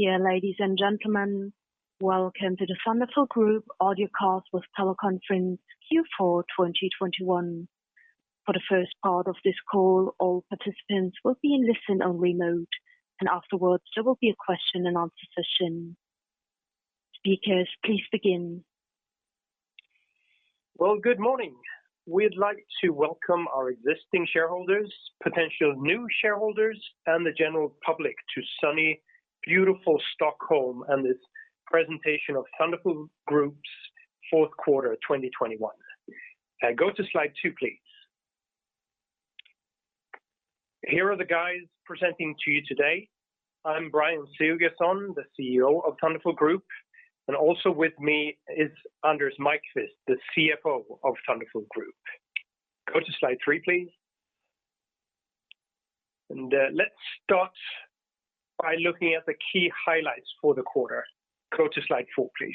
Dear ladies and gentlemen, welcome to the Thunderful Group audio cast with teleconference Q4 2021. For the first part of this call, all participants will be in listen-only mode, and afterwards there will be a question and answer session. Speakers, please begin. Well, good morning. We'd like to welcome our existing shareholders, potential new shareholders, and the general public to sunny, beautiful Stockholm and this presentation of Thunderful Group's fourth quarter of 2021. Go to slide two, please. Here are the guys presenting to you today. I'm Brjann Sigurgeirsson, the CEO of Thunderful Group, and also with me is Anders Maiqvist, the CFO of Thunderful Group. Go to slide three, please. Let's start by looking at the key highlights for the quarter. Go to slide four, please.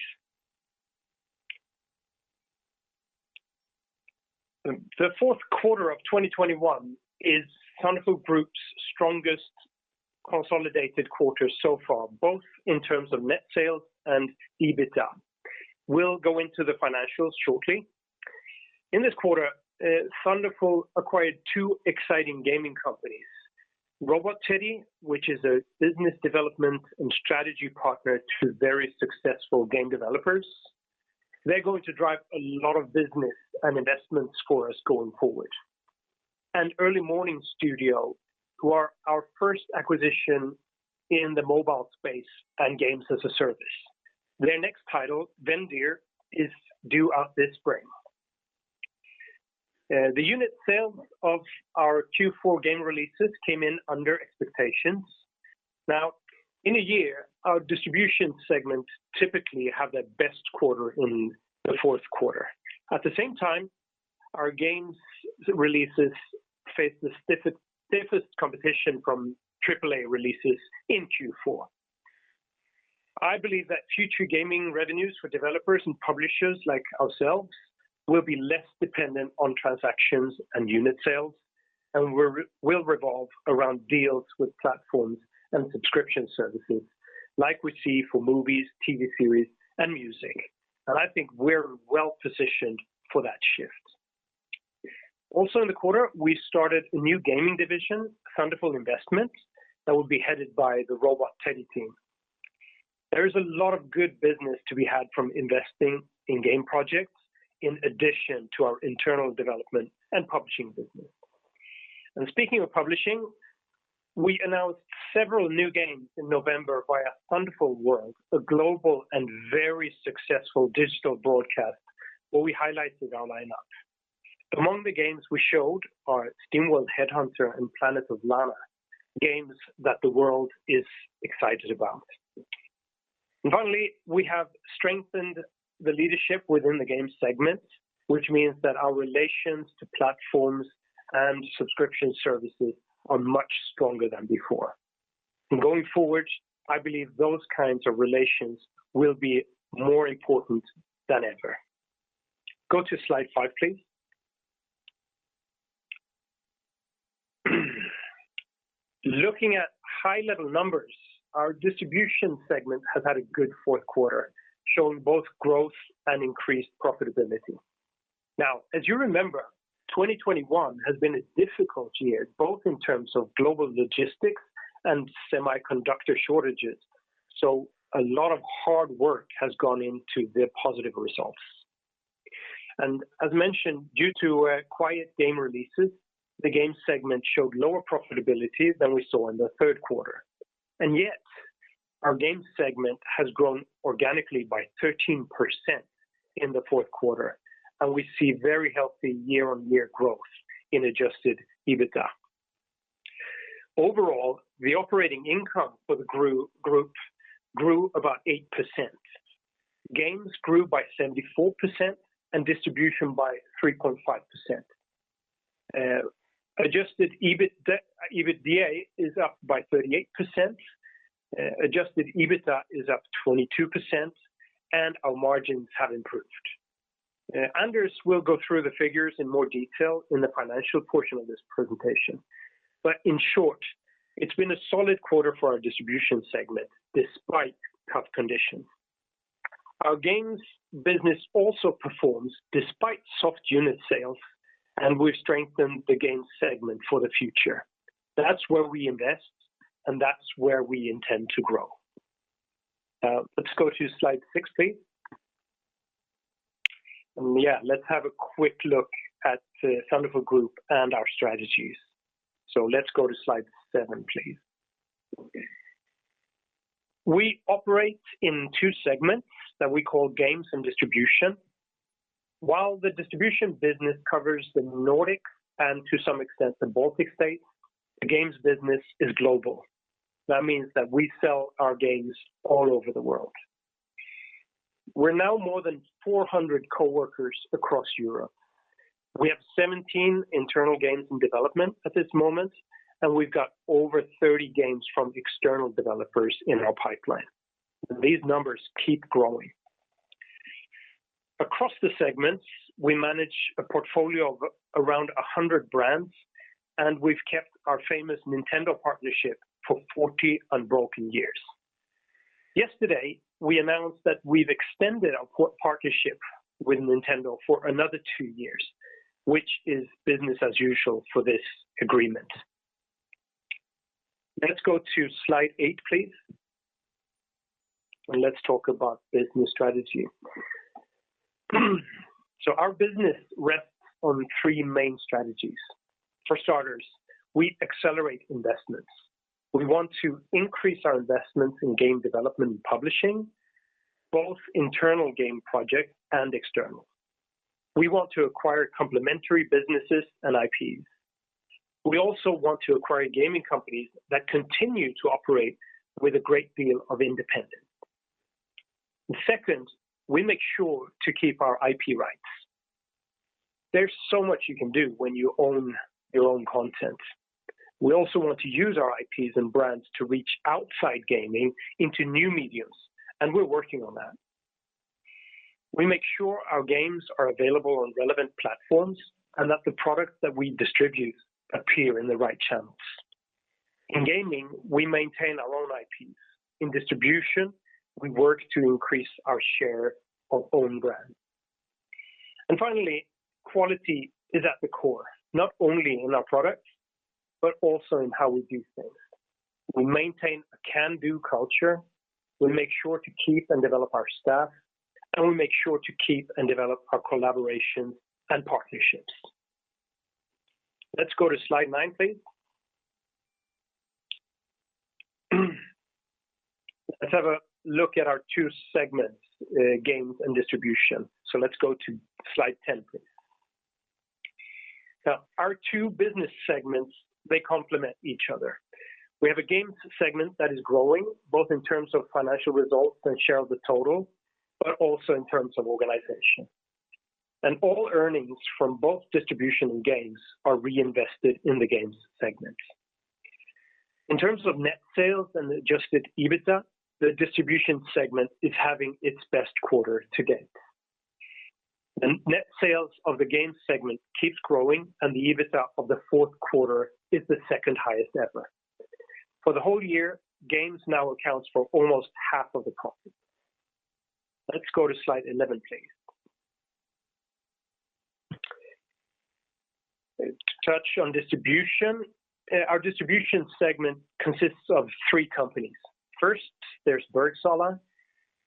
The fourth quarter of 2021 is Thunderful Group's strongest consolidated quarter so far, both in terms of net sales and EBITDA. We'll go into the financials shortly. In this quarter, Thunderful acquired two exciting gaming companies, Robot Teddy, which is a business development and strategy partner to very successful game developers. They're going to drive a lot of business and investments for us going forward. Early Morning Studio, who are our first acquisition in the mobile space and games as a service. Their next title, Vendir, is due out this spring. The unit sales of our Q4 game releases came in under expectations. Now, in a year, our distribution segment typically have their best quarter in the fourth quarter. At the same time, our games releases face the stiffest competition from AAA releases in Q4. I believe that future gaming revenues for developers and publishers like ourselves will be less dependent on transactions and unit sales and will revolve around deals with platforms and subscription services like we see for movies, TV series, and music. I think we're well-positioned for that shift. In the quarter, we started a new gaming division, Thunderful Investment, that will be headed by the Robot Teddy team. There is a lot of good business to be had from investing in game projects in addition to our internal development and publishing business. Speaking of publishing, we announced several new games in November via Thunderful World, a global and very successful digital broadcast where we highlighted our lineup. Among the games we showed are SteamWorld Headhunter and Planet of Lana, games that the world is excited about. Finally, we have strengthened the leadership within the game segment, which means that our relations to platforms and subscription services are much stronger than before. Going forward, I believe those kinds of relations will be more important than ever. Go to slide five, please. Looking at high level numbers, our distribution segment has had a good fourth quarter, showing both growth and increased profitability. Now, as you remember, 2021 has been a difficult year, both in terms of global logistics and semiconductor shortages, so a lot of hard work has gone into the positive results. As mentioned, due to quiet game releases, the game segment showed lower profitability than we saw in the third quarter. Yet, our game segment has grown organically by 13% in the fourth quarter, and we see very healthy year-on-year growth in adjusted EBITDA. Overall, the operating income for the group grew about 8%. Games grew by 74% and distribution by 3.5%. Adjusted EBITDA is up by 38%, adjusted EBITDA is up 22%, and our margins have improved. Anders will go through the figures in more detail in the financial portion of this presentation, but in short, it's been a solid quarter for our distribution segment despite tough conditions. Our games business also performs despite soft unit sales, and we've strengthened the games segment for the future. That's where we invest, and that's where we intend to grow. Let's go to slide six, please. Yeah, let's have a quick look at the Thunderful Group and our strategies. Let's go to slide seven, please. We operate in two segments that we call Games and Distribution. While the Distribution business covers the Nordic and to some extent the Baltic states, the Games business is global. That means that we sell our games all over the world. We're now more than 400 coworkers across Europe. We have 17 internal games in development at this moment, and we've got over 30 games from external developers in our pipeline. These numbers keep growing. Across the segments, we manage a portfolio of around 100 brands, and we've kept our famous Nintendo partnership for 40 unbroken years. Yesterday, we announced that we've extended our partnership with Nintendo for another 2 years, which is business as usual for this agreement. Let's go to slide eight, please. Let's talk about business strategy. Our business rests on three main strategies. For starters, we accelerate investments. We want to increase our investments in game development and publishing, both internal game projects and external. We want to acquire complementary businesses and IPs. We also want to acquire gaming companies that continue to operate with a great deal of independence. Second, we make sure to keep our IP rights. There's so much you can do when you own your own content. We also want to use our IPs and brands to reach outside gaming into new mediums, and we're working on that. We make sure our games are available on relevant platforms and that the products that we distribute appear in the right channels. In gaming, we maintain our own IPs. In distribution, we work to increase our share of own brand. Finally, quality is at the core, not only in our products, but also in how we do things. We maintain a can-do culture. We make sure to keep and develop our staff, and we make sure to keep and develop our collaborations and partnerships. Let's go to slide nine, please. Let's have a look at our two segments, games and distribution. Let's go to slide ten, please. Now, our two business segments, they complement each other. We have a Games segment that is growing, both in terms of financial results and share of the total, but also in terms of organization. All earnings from both Distribution and Games are reinvested in the Games segment. In terms of net sales and adjusted EBITDA, the Distribution segment is having its best quarter to date. The net sales of the Games segment keeps growing, and the EBITDA of the fourth quarter is the second highest ever. For the whole year, Games now accounts for almost half of the profit. Let's go to slide 11, please. To touch on Distribution, our Distribution segment consists of three companies. First, there's Bergsala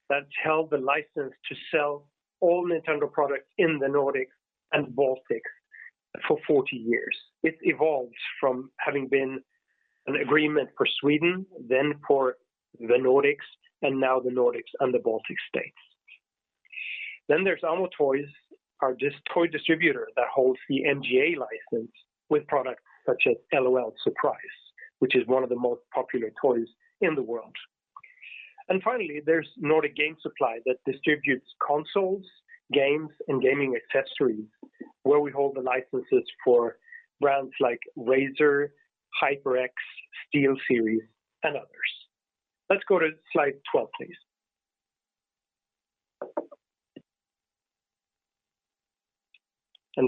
that held the license to sell all Nintendo products in the Nordic and Baltic for 40 years. It evolves from having been an agreement for Sweden, then for the Nordics, and now the Nordics and the Baltic states. There's AMO Toys, our toy distributor that holds the MGA license with products such as L.O.L. Surprise, which is one of the most popular toys in the world. Finally, there's Nordic Game Supply that distributes consoles, games, and gaming accessories, where we hold the licenses for brands like Razer, HyperX, SteelSeries, and others. Let's go to slide 12, please.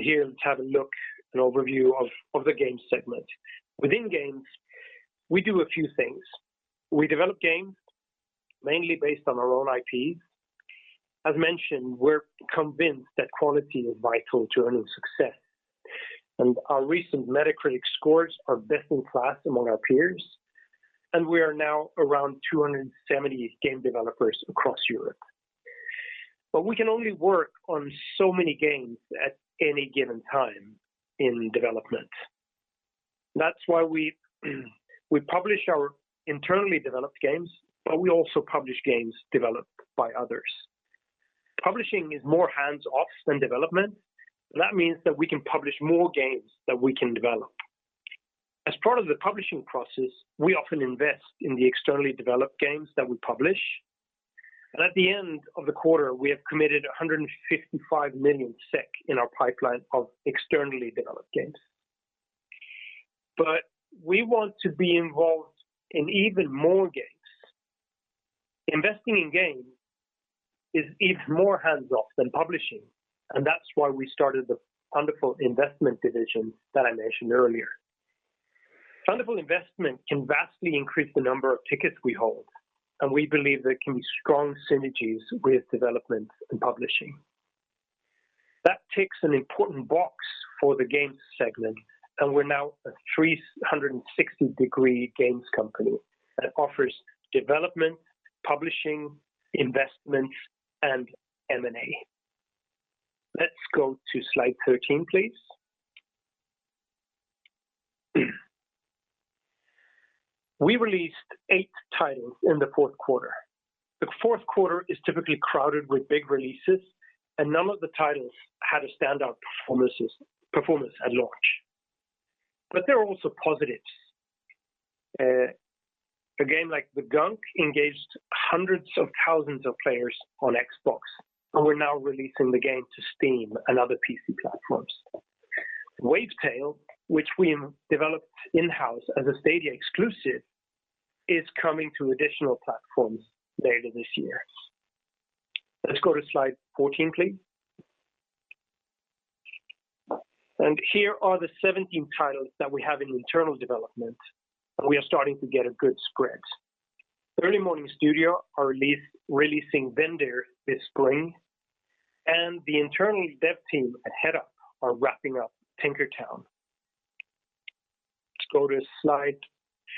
Here, let's have a look, an overview of the Games segment. Within Games, we do a few things. We develop games mainly based on our own IPs. As mentioned, we're convinced that quality is vital to earning success. Our recent Metacritic scores are best in class among our peers, and we are now around 270 game developers across Europe. We can only work on so many games at any given time in development. That's why we publish our internally developed games, but we also publish games developed by others. Publishing is more hands-off than development. That means that we can publish more games than we can develop. As part of the publishing process, we often invest in the externally developed games that we publish. At the end of the quarter, we have committed 155 million SEK in our pipeline of externally developed games. We want to be involved in even more games. Investing in games is even more hands-off than publishing, and that's why we started the Thunderful Investment division that I mentioned earlier. Thunderful Investment can vastly increase the number of tickets we hold, and we believe there can be strong synergies with development and publishing. That ticks an important box for the games segment, and we're now a 360-degree games company that offers development, publishing, investments, and M&A. Let's go to slide 13, please. We released eight titles in the fourth quarter. The fourth quarter is typically crowded with big releases, and none of the titles had a standout performance at launch. There are also positives. A game like The Gunk engaged hundreds of thousands of players on Xbox, and we're now releasing the game to Steam and other PC platforms. Wavetale, which we developed in-house as a Stadia exclusive, is coming to additional platforms later this year. Let's go to slide 14, please. Here are the 17 titles that we have in internal development, and we are starting to get a good spread. Early Morning Studio is releasing Vendir this spring, and the internal dev team at Headup is wrapping up Tinkertown. Let's go to slide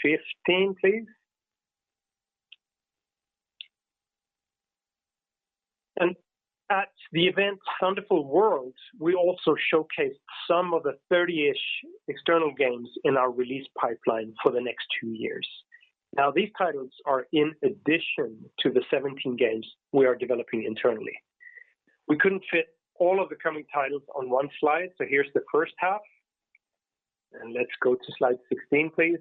15, please. At the event Thunderful World, we also showcased some of the thirty-ish external games in our release pipeline for the next two years. Now, these titles are in addition to the 17 games we are developing internally. We couldn't fit all of the coming titles on one slide, so here's the first half. Let's go to slide 16, please.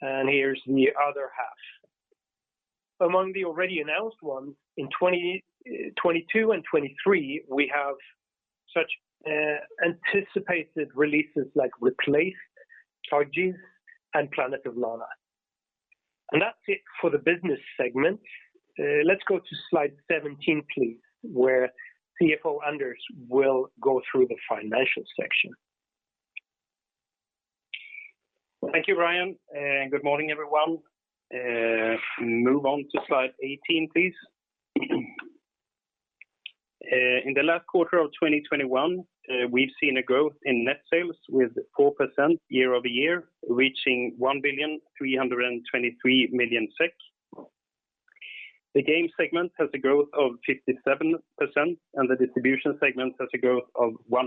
Here's the other half. Among the already announced ones in 2022 and 2023, we have such anticipated releases like REPLACED, Togges, and Planet of Lana. That's it for the business segment. Let's go to slide 17, please, where CFO Anders Maiqvist will go through the financial section. Thank you, Brjann, and good morning, everyone. Move on to slide 18, please. In the last quarter of 2021, we've seen a growth in net sales with 4% year-over-year, reaching 1,323 million SEK. The Game segment has a growth of 57%, and the Distribution segment has a growth of 1%.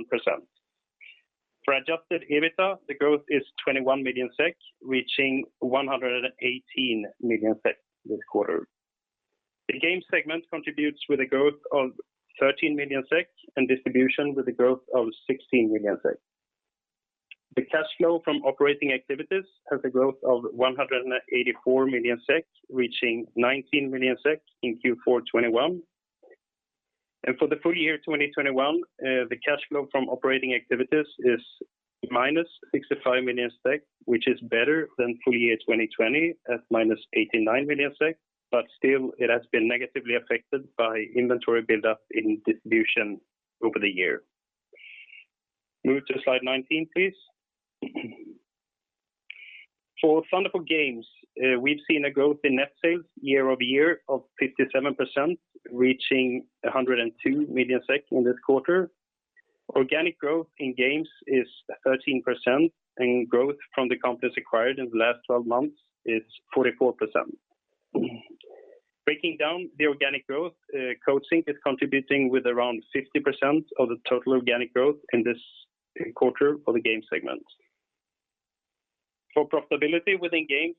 For adjusted EBITDA, the growth is 21 million SEK, reaching 118 million SEK this quarter. The Game segment contributes with a growth of 13 million SEK and Distribution with a growth of 16 million SEK. The cash flow from operating activities has a growth of 184 million SEK, reaching 19 million SEK in Q4 2021. For the full year 2021, the cash flow from operating activities is -65 million SEK, which is better than full year 2020 at -89 million SEK, but still it has been negatively affected by inventory buildup in distribution over the year. Move to slide 19, please. For Thunderful Games, we've seen a growth in net sales year over year of 57%, reaching 102 million SEK in this quarter. Organic growth in Games is 13%, and growth from the companies acquired in the last twelve months is 44%. Breaking down the organic growth, Coatsink is contributing with around 50% of the total organic growth in this quarter for the Game segment. For profitability within games,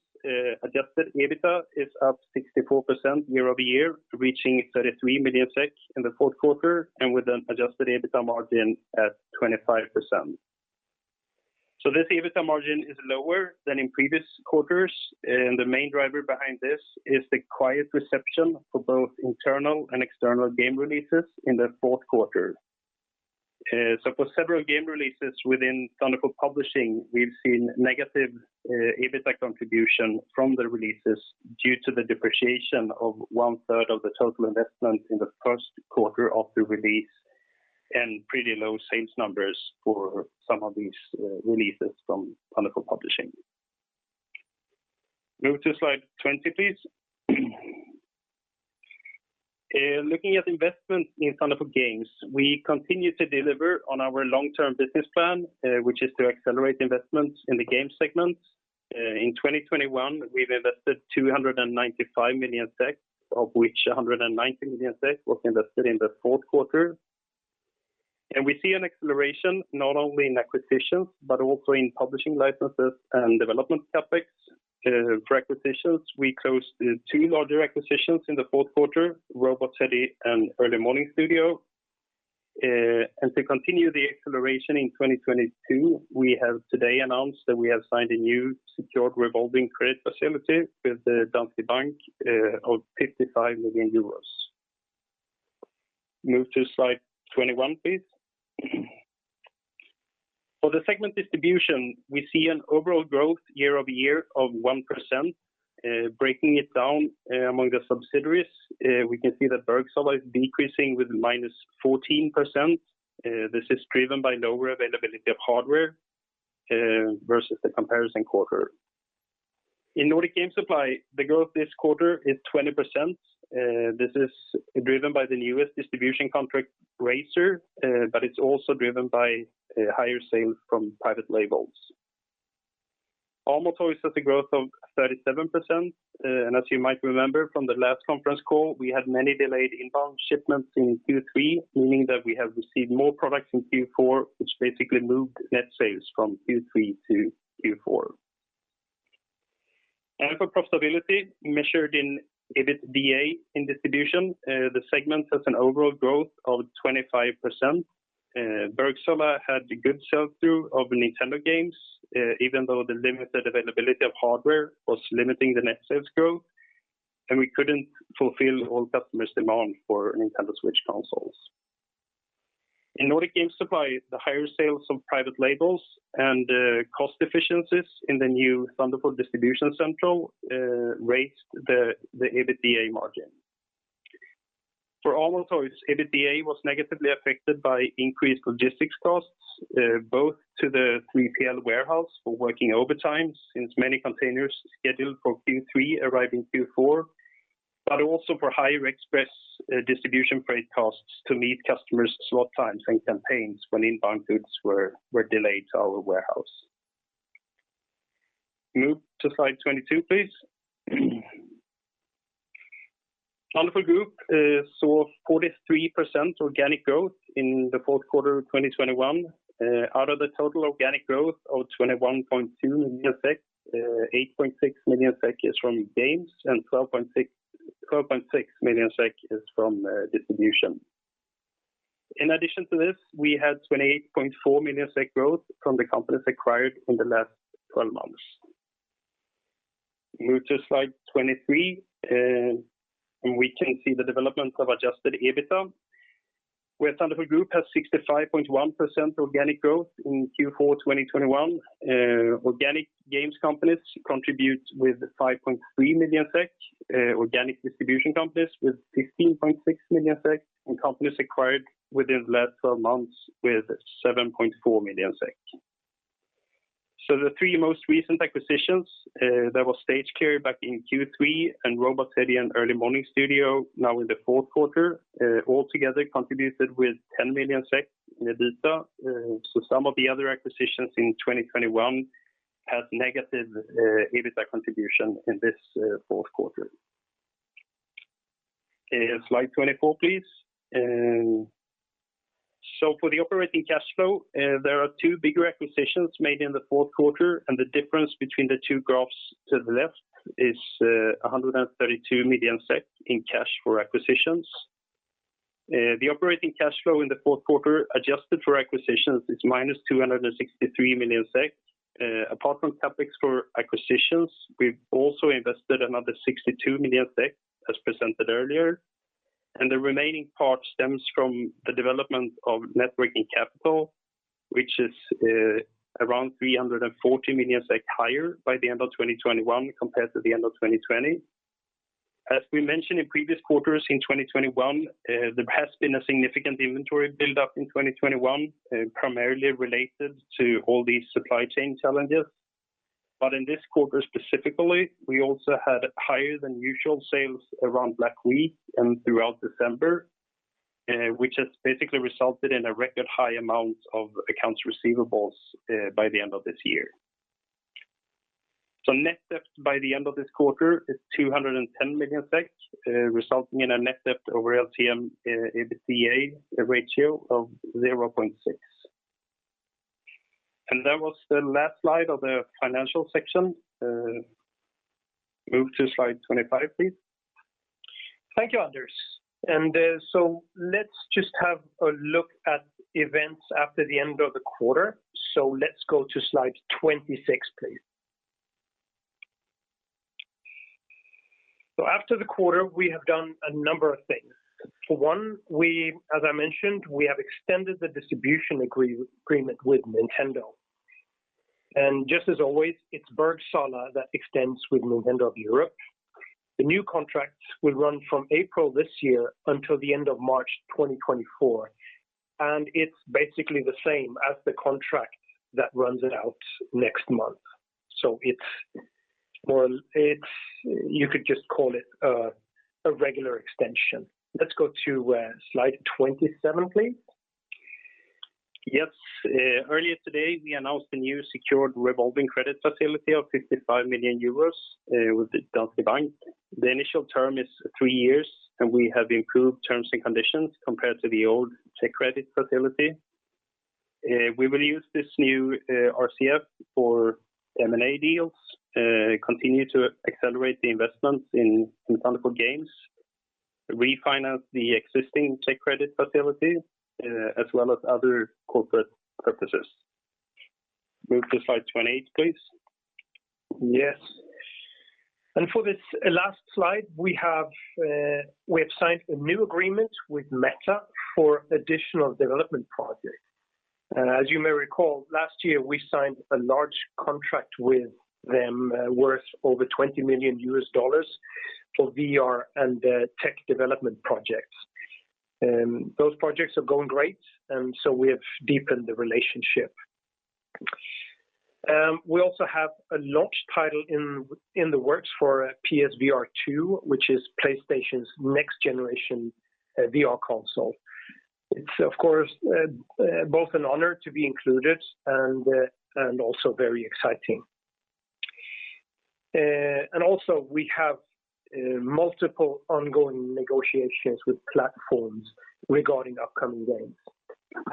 adjusted EBITDA is up 64% year-over-year, reaching 33 million SEK in the fourth quarter and with an adjusted EBITDA margin at 25%. This EBITDA margin is lower than in previous quarters, and the main driver behind this is the quiet reception for both internal and external game releases in the fourth quarter. For several game releases within Thunderful Publishing, we've seen negative EBITDA contribution from the releases due to the depreciation of one-third of the total investment in the first quarter of the release and pretty low sales numbers for some of these releases from Thunderful Publishing. Move to slide 20, please. Looking at investment in Thunderful Games, we continue to deliver on our long-term business plan, which is to accelerate investments in the Games segment. In 2021, we've invested 295 million, of which 190 million was invested in the fourth quarter. We see an acceleration not only in acquisitions, but also in publishing licenses and development CapEx. For acquisitions, we closed two larger acquisitions in the fourth quarter, Robot Teddy and Early Morning Studio. To continue the acceleration in 2022, we have today announced that we have signed a new secured revolving credit facility with the Danske Bank of 55 million euros. Move to slide 21, please. For the segment distribution, we see an overall growth year-over-year of 1%. Breaking it down, among the subsidiaries, we can see that Bergsala is decreasing with -14%. This is driven by lower availability of hardware versus the comparison quarter. In Nordic Game Supply, the growth this quarter is 20%. This is driven by the newest distribution contract, Razer, but it's also driven by a higher sale from private labels. AMO Toys has a growth of 37%. As you might remember from the last conference call, we had many delayed inbound shipments in Q3, meaning that we have received more products in Q4, which basically moved net sales from Q3-Q4. For profitability measured in EBITDA in distribution, the segment has an overall growth of 25%. Bergsala had a good sell-through of Nintendo games, even though the limited availability of hardware was limiting the net sales growth. We couldn't fulfill all customers' demand for Nintendo Switch consoles. In Nordic Game Supply, the higher sales of private labels and cost efficiencies in the new Thunderful distribution center raised the EBITDA margin. For AMO Toys, EBITDA was negatively affected by increased logistics costs, both to the 3PL warehouse for working overtime since many containers scheduled for Q3 arrive in Q4, but also for higher express distribution freight costs to meet customers' slot times and campaigns when inbound goods were delayed to our warehouse. Move to slide 22, please. Thunderful Group saw 43% organic growth in the fourth quarter of 2021. Out of the total organic growth of 21.2 million SEK, 8.6 million SEK is from games and 12.6 million SEK is from distribution. In addition to this, we had 28.4 million SEK growth from the companies acquired in the last 12 months. Move to slide 23, and we can see the development of adjusted EBITDA, where Thunderful Group has 65.1% organic growth in Q4 2021. Organic games companies contribute with 5.3 million SEK, organic distribution companies with 16.6 million SEK, and companies acquired within the last 12 months with 7.4 million SEK. The three most recent acquisitions, that was Stage Clear Studios back in Q3 and Robot Teddy and Early Morning Studio now in the fourth quarter, all together contributed with 10 million SEK in EBITDA. Some of the other acquisitions in 2021 have negative EBITDA contribution in this fourth quarter. Okay, slide 24, please. For the operating cash flow, there are two big acquisitions made in the fourth quarter, and the difference between the two graphs to the left is 132 million SEK in cash for acquisitions. The operating cash flow in the fourth quarter, adjusted for acquisitions, is minus 263 million SEK. Apart from CapEx for acquisitions, we've also invested another 62 million SEK, as presented earlier. The remaining part stems from the development of net working capital, which is around 340 million SEK higher by the end of 2021 compared to the end of 2020. As we mentioned in previous quarters in 2021, there has been a significant inventory build-up in 2021, primarily related to all these supply chain challenges. In this quarter specifically, we also had higher than usual sales around Black Week and throughout December, which has basically resulted in a record high amount of accounts receivables by the end of this year. Net debt by the end of this quarter is 210 million SEK, resulting in a net debt over LTM EBITDA ratio of 0.6. That was the last slide of the financial section. Move to slide 25, please. Thank you, Anders. Let's just have a look at events after the end of the quarter. Let's go to slide 26, please. After the quarter, we have done a number of things. For one, we, as I mentioned, we have extended the distribution agreement with Nintendo. Just as always, it's Bergsala that extends with Nintendo of Europe. The new contract will run from April this year until the end of March 2024, and it's basically the same as the contract that runs out next month. It's, well, you could just call it a regular extension. Let's go to slide 27, please. Yes. Earlier today, we announced a new secured revolving credit facility of 55 million euros with Danske Bank. The initial term is three years, and we have improved terms and conditions compared to the old SEK credit facility. We will use this new RCF for M&A deals, continue to accelerate the investments in Thunderful Games, refinance the existing SEK credit facility, as well as other corporate purposes. Move to slide 28, please. Yes. For this last slide, we have signed a new agreement with Meta for additional development projects. As you may recall, last year, we signed a large contract with them worth over $20 million for VR and tech development projects. Those projects are going great, and so we have deepened the relationship. We also have a launch title in the works for PSVR2, which is PlayStation's next generation VR console. It's of course both an honor to be included and also very exciting. Also we have multiple ongoing negotiations with platforms regarding upcoming games.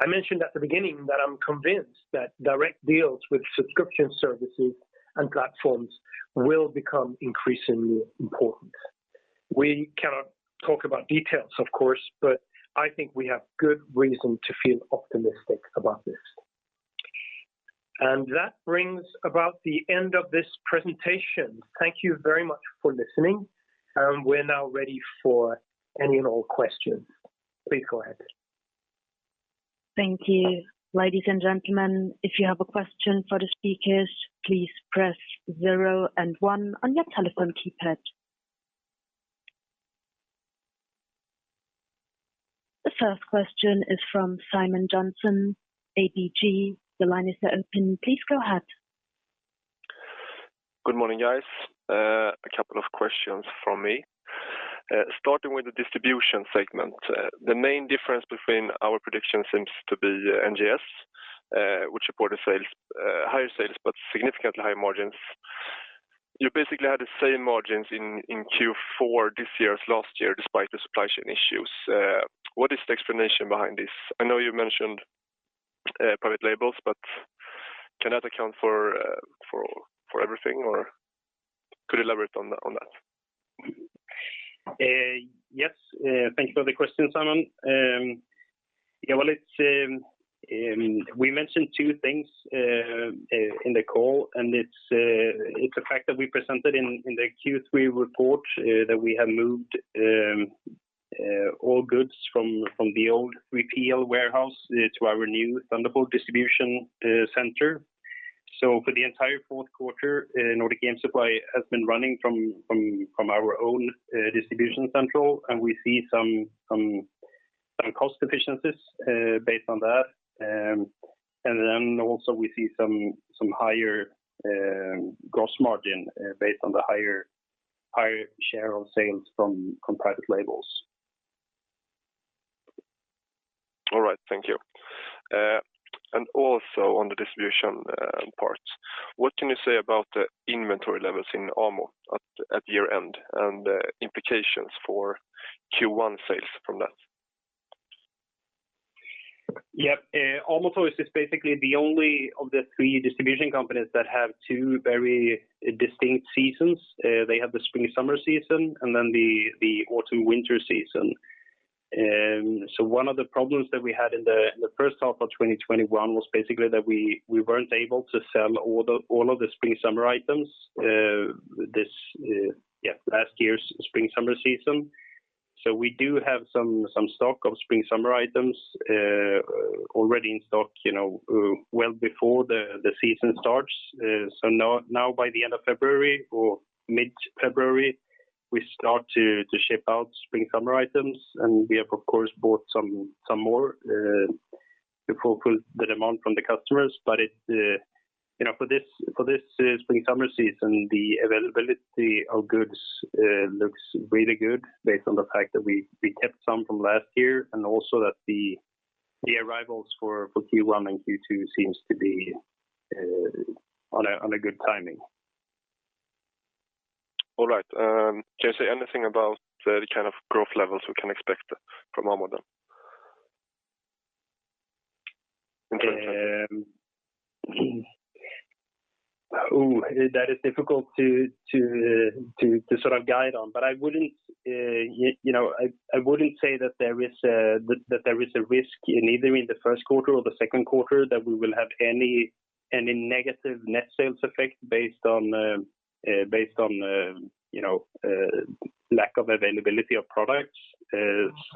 I mentioned at the beginning that I'm convinced that direct deals with subscription services and platforms will become increasingly important. We cannot talk about details, of course, but I think we have good reason to feel optimistic about this. That brings about the end of this presentation. Thank you very much for listening. We're now ready for any and all questions. Please go ahead. Thank you. Ladies and gentlemen, if you have a question for the speakers, please press zero and one on your telephone keypad. The first question is from Simon Jönsson, ABG. The line is now open. Please go ahead. Good morning, guys. A couple of questions from me. Starting with the Distribution segment. The main difference between our prediction seems to be NGS, which reported higher sales, but significantly higher margins. You basically had the same margins in Q4 this year as last year, despite the supply chain issues. What is the explanation behind this? I know you mentioned private labels, but can that account for everything, or could you elaborate on that? Yes. Thank you for the question, Simon. Yeah, well, I mean, we mentioned two things in the call, and it's the fact that we presented in the Q3 report that we have moved all goods from the old 3PL warehouse to our new Thunderful Distribution center. For the entire fourth quarter, Nordic Game Supply has been running from our own distribution center, and we see some cost efficiencies based on that. Then also we see some higher gross margin based on the higher share of sales from private labels. All right. Thank you. On the distribution part, what can you say about the inventory levels in AMO at year-end and the implications for Q1 sales from that? AMO Toys is basically the only of the three distribution companies that have two very distinct seasons. They have the spring-summer season and then the autumn-winter season. One of the problems that we had in the first half of 2021 was basically that we weren't able to sell all of the spring-summer items, this yeah last year's spring-summer season. We do have some stock of spring-summer items already in stock, you know, well before the season starts. Now by the end of February or mid-February, we start to ship out spring-summer items, and we have, of course, bought some more to fulfill the demand from the customers. It, you know, for this spring-summer season, the availability of goods looks really good based on the fact that we kept some from last year and also that the arrivals for Q1 and Q2 seems to be on a good timing. All right. Can you say anything about the kind of growth levels we can expect from AMO Toys? That is difficult to sort of guide on. I wouldn't, you know, I wouldn't say that there is a risk in either the first quarter or the second quarter that we will have any negative net sales effect based on, you know, lack of availability of products.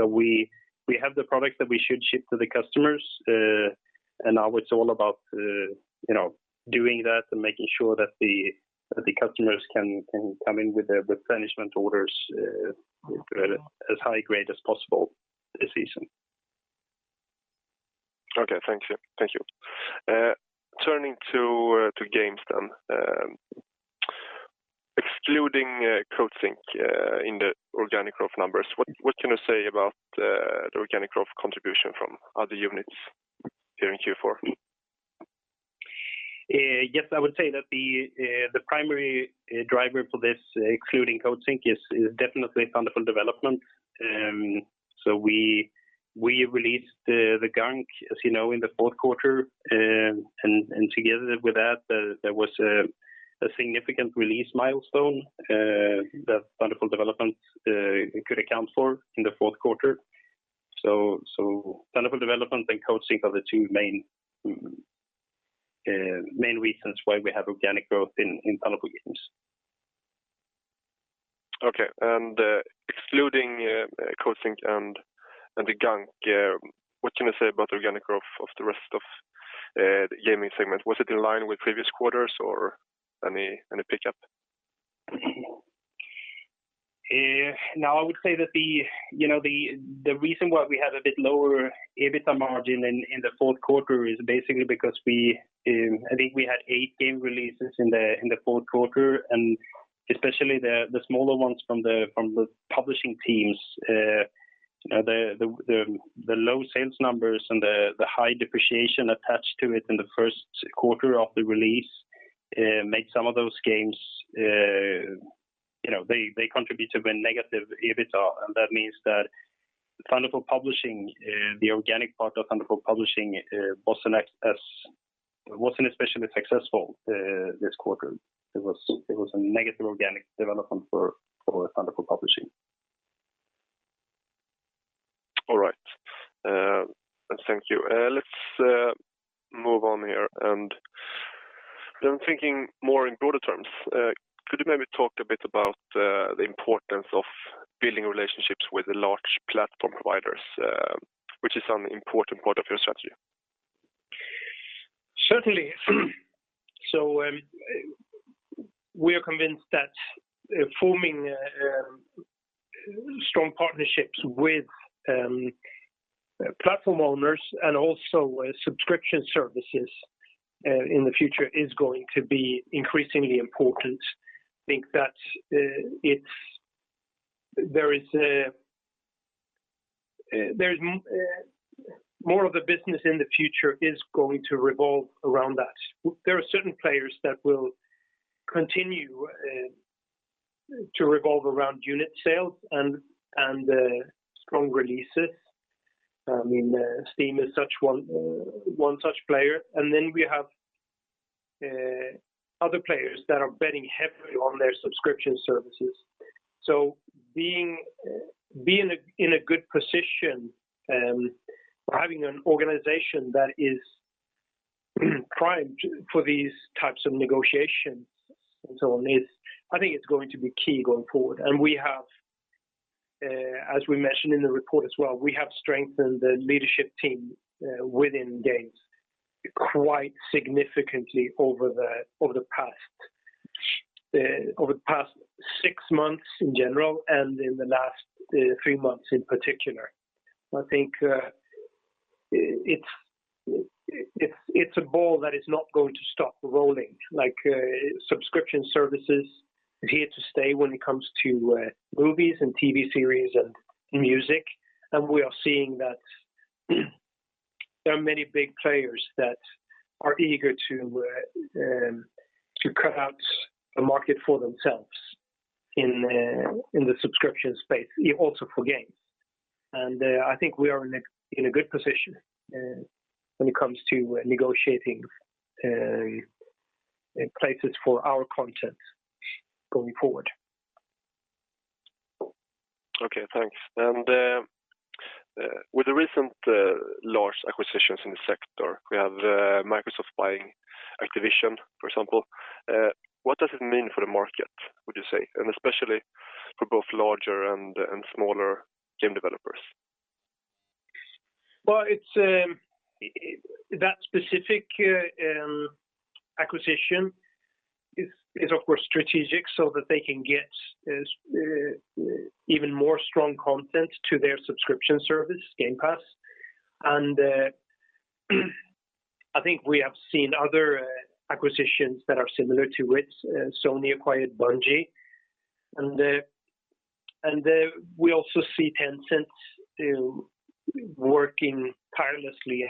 We have the products that we should ship to the customers. Now it's all about, you know, doing that and making sure that the customers can come in with their replenishment orders at as high grade as possible this season. Okay. Thank you. Turning to Games then. Excluding Coatsink in the organic growth numbers, what can you say about the organic growth contribution from other units here in Q4? Yes, I would say that the primary driver for this, excluding Coatsink, is definitely Thunderful Development. We released The Gunk, as you know, in the fourth quarter. Together with that, there was a significant release milestone that Thunderful Development could account for in the fourth quarter. Thunderful Development and Coatsink are the two main reasons why we have organic growth in Thunderful Games. Excluding Coatsink and The Gunk, what can you say about the organic growth of the rest of the gaming segment? Was it in line with previous quarters or any pickup? Now I would say that the, you know, the reason why we have a bit lower EBITDA margin in the fourth quarter is basically because we I think we had eight game releases in the fourth quarter, and especially the smaller ones from the publishing teams. The low sales numbers and the high depreciation attached to it in the first quarter of the release made some of those games, you know, they contribute to a negative EBITDA. That means that Thunderful Publishing, the organic part of Thunderful Publishing, wasn't especially successful this quarter. It was a negative organic development for Thunderful Publishing. Thank you. Let's move on here, and I'm thinking more in broader terms. Could you maybe talk a bit about the importance of building relationships with the large platform providers, which is an important part of your strategy? Certainly. We are convinced that forming strong partnerships with platform owners and also with subscription services in the future is going to be increasingly important. I think that there is more of the business in the future is going to revolve around that. There are certain players that will continue to revolve around unit sales and strong releases. I mean, Steam is such one such player. We have other players that are betting heavily on their subscription services. Being in a good position or having an organization that is primed for these types of negotiations and so on is I think it's going to be key going forward. We have, as we mentioned in the report as well, we have strengthened the leadership team within Games quite significantly over the past six months in general and in the last three months in particular. I think, it's a ball that is not going to stop rolling. Like, subscription services is here to stay when it comes to movies and TV series and music. I think we are in a good position when it comes to negotiating places for our content going forward. Okay, thanks. With the recent large acquisitions in the sector, we have Microsoft buying Activision, for example. What does it mean for the market, would you say? Especially for both larger and smaller game developers. Well, it's that specific acquisition is of course strategic so that they can get even more strong content to their subscription service, Game Pass. I think we have seen other acquisitions that are similar to it. Sony acquired Bungie, and we also see Tencent working tirelessly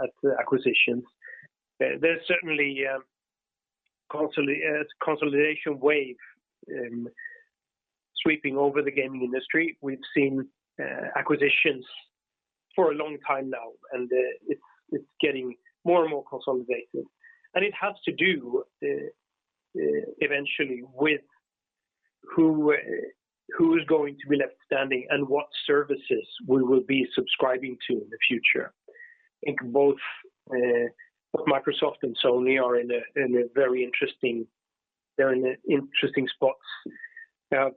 at the acquisitions. There's certainly a consolidation wave sweeping over the gaming industry. We've seen acquisitions for a long time now, and it's getting more and more consolidated. It has to do eventually with who is going to be left standing and what services we will be subscribing to in the future. I think both Microsoft and Sony are in a very interesting spot. They're in interesting spots. They have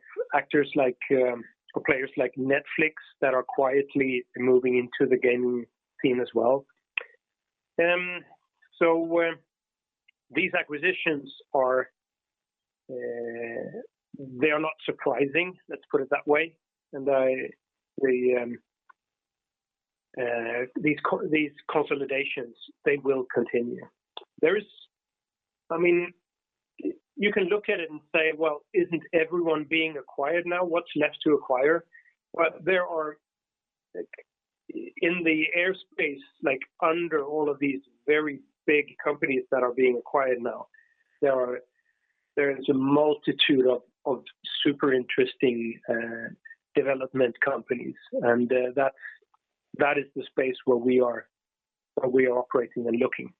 players like Netflix that are quietly moving into the gaming scene as well. These acquisitions are not surprising, let's put it that way. These consolidations will continue. I mean, you can look at it and say, "Well, isn't everyone being acquired now? What's left to acquire?" There are, like, in the space, like under all of these very big companies that are being acquired now, there is a multitude of super interesting development companies. That is the space where we are operating and looking.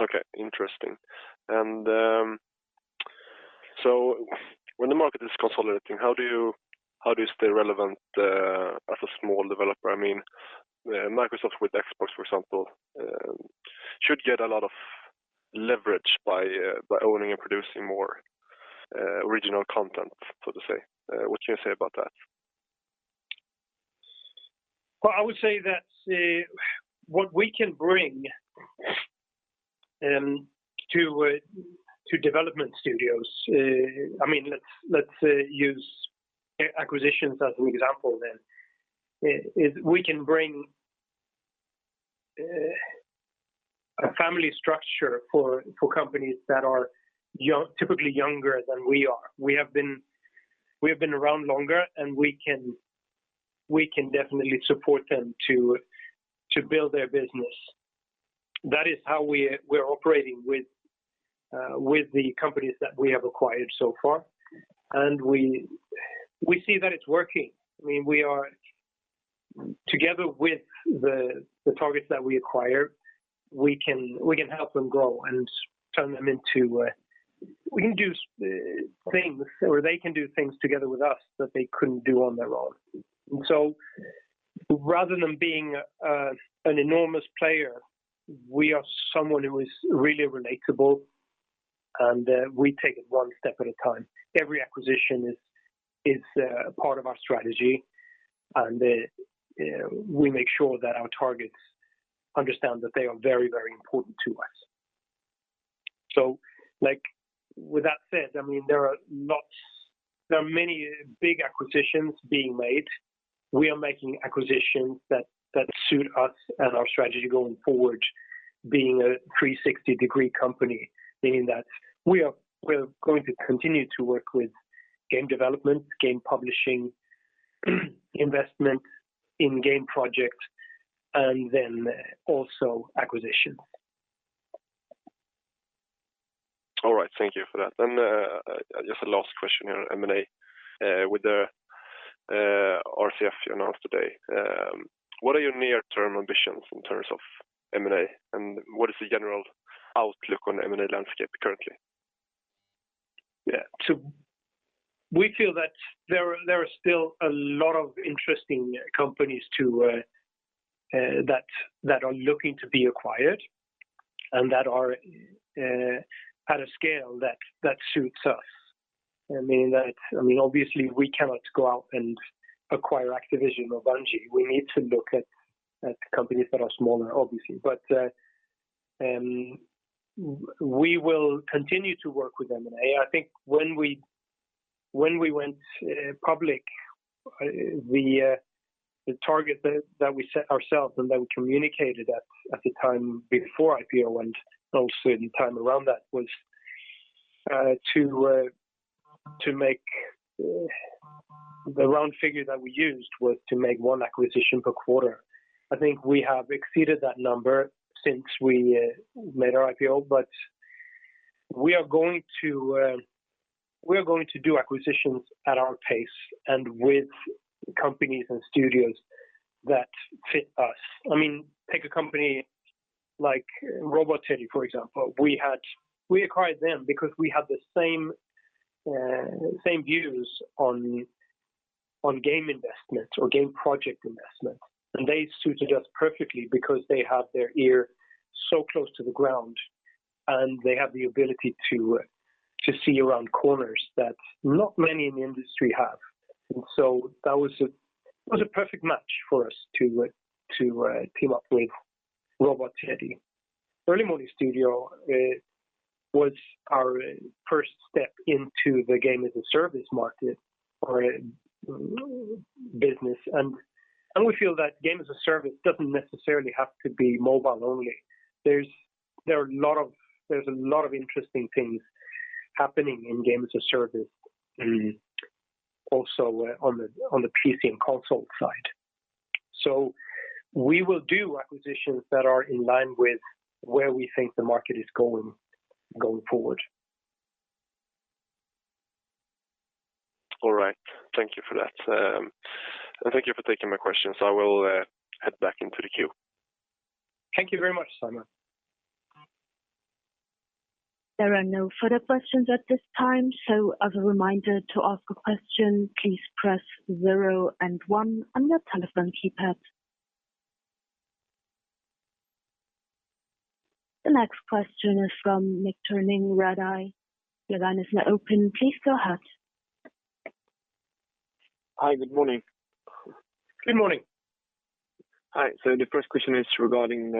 Okay, interesting. When the market is consolidating, how do you stay relevant as a small developer? I mean, Microsoft with Xbox, for example, should get a lot of leverage by owning and producing more original content, so to say. What do you say about that? Well, I would say that what we can bring to development studios. I mean, let's use acquisitions as an example then. Is we can bring a family structure for companies that are typically younger than we are. We have been around longer, and we can definitely support them to build their business. That is how we are operating with the companies that we have acquired so far. We see that it's working. I mean, we are together with the targets that we acquire. We can help them grow and turn them into. We can do things or they can do things together with us that they couldn't do on their own. Rather than being an enormous player, we are someone who is really relatable, and we take it one step at a time. Every acquisition is part of our strategy, and we make sure that our targets understand that they are very, very important to us. Like, with that said, I mean, there are many big acquisitions being made. We are making acquisitions that suit us and our strategy going forward, being a 360-degree company, meaning that we are going to continue to work with game development, game publishing, investment in game projects, and then also acquisition. All right. Thank you for that. Just a last question here on M&A. With the RCF you announced today, what are your near-term ambitions in terms of M&A, and what is the general outlook on M&A landscape currently? We feel that there are still a lot of interesting companies that are looking to be acquired and that are at a scale that suits us. I mean, obviously we cannot go out and acquire Activision or Bungie. We need to look at companies that are smaller, obviously. We will continue to work with M&A. I think when we went public, the target that we set ourselves and that we communicated at the time before IPO and also in the time around that was to make the round figure that we used was to make one acquisition per quarter. I think we have exceeded that number since we made our IPO. We are going to do acquisitions at our pace and with companies and studios that fit us. I mean, take a company like Robot Teddy, for example. We acquired them because we had the same views on game investments or game project investments. They suited us perfectly because they have their ear so close to the ground, and they have the ability to see around corners that not many in the industry have. That was a perfect match for us to team up with Robot Teddy. Early Morning Studio was our first step into the game as a service market or business. We feel that game as a service doesn't necessarily have to be mobile only. There are a lot of interesting things happening in game as a service, also, on the PC and console side. We will do acquisitions that are in line with where we think the market is going forward. All right. Thank you for that. Thank you for taking my questions. I will head back into the queue. Thank you very much, Simon. There are no further questions at this time, so as a reminder, to ask a question, please press zero and one on your telephone keypad. The next question is from Victor Ning, Redeye. Your line is now open. Please go ahead. Hi. Good morning. Good morning. Hi. The first question is regarding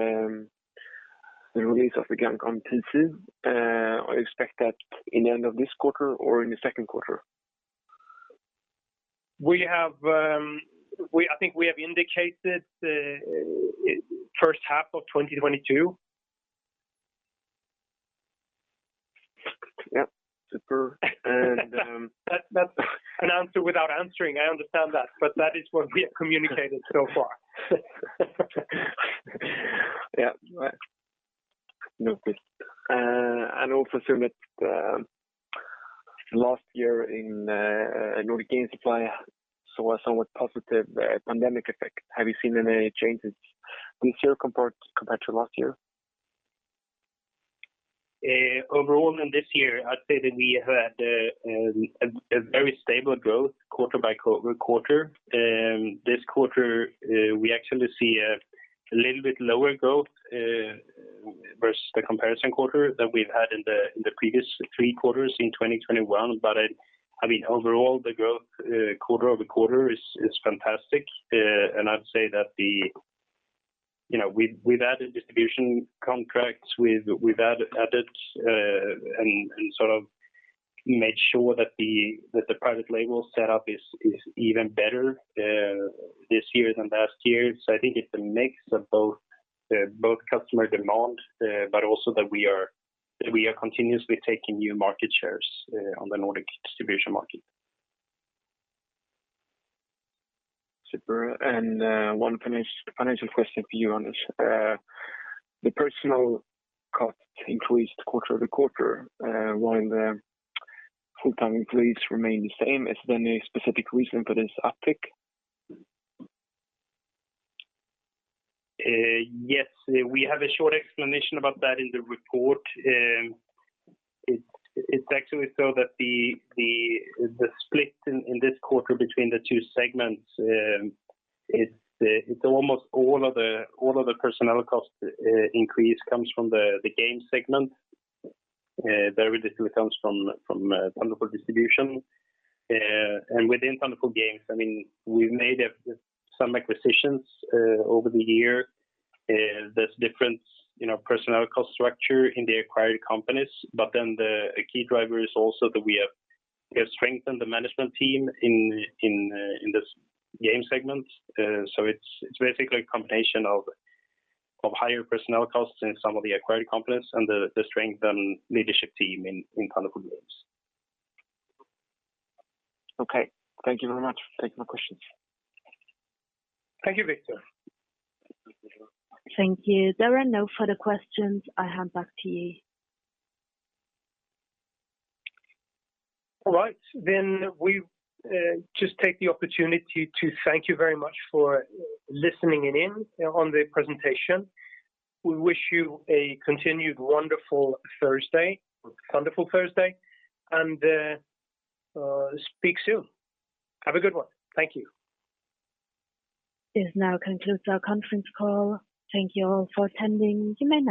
the release of the game on PC. I expect that in the end of this quarter or in the second quarter. I think we have indicated first half of 2022. Yeah. Super. That's an answer without answering, I understand that, but that is what we have communicated so far. Yeah. Right. No, good. Assume that last year in Nordic Game Supply saw a somewhat positive pandemic effect. Have you seen any changes this year compared to last year? Overall in this year, I'd say that we have had a very stable growth quarter by quarter. This quarter, we actually see a little bit lower growth versus the comparison quarter that we've had in the previous three quarters in 2021. I mean, overall the growth quarter-over-quarter is fantastic. I'd say that you know, we've added distribution contracts. We've added and sort of made sure that the private label set up is even better this year than last year. I think it's a mix of both customer demand but also that we are continuously taking new market shares on the Nordic distribution market. Super. One final financial question for you on this. The personnel costs increased quarter-over-quarter, while the full-time employees remain the same. Is there any specific reason for this uptick? Yes. We have a short explanation about that in the report. It's actually so that the split in this quarter between the two segments, it's almost all of the personnel cost increase comes from the Game segment. Very little comes from Thunderful Distribution. Within Thunderful Games, I mean, we've made some acquisitions over the year. There's different, you know, personnel cost structure in the acquired companies, but then a key driver is also that we have strengthened the management team in this Game segment. It's basically a combination of higher personnel costs in some of the acquired companies and the strengthened leadership team in Thunderful Games. Okay. Thank you very much for taking my questions. Thank you, Victor. Thank you. There are no further questions. I hand back to you. All right. We just take the opportunity to thank you very much for listening in on the presentation. We wish you a continued wonderful Thursday, Thunderful Thursday, and speak soon. Have a good one. Thank you. This now concludes our conference call. Thank you all for attending. You may now disconnect.